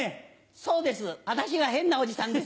そうですあたしが変なおじさんです。